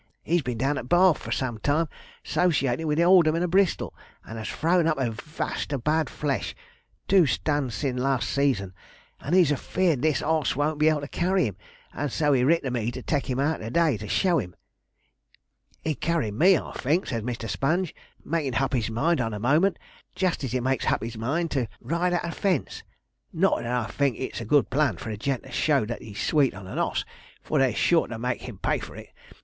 He's been down at Bath for some time 'sociatin' with the aldermen o' Bristol and has thrown up a vast o' bad flesh two stun' sin' last season and he's afeared this oss won't be able to carry 'im, and so he writ to me to take 'im out to day, to show 'im." "He'd carry me, I think," said Mr. Sponge, making hup his mind on the moment, jist as he makes hup his mind to ride at a fence not that I think it's a good plan for a gent to show that he's sweet on an oss, for they're sure to make him pay for it.